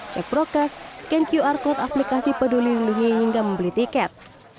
cek prokes scan qr code aplikasi peduli lindungi hingga membeli tiket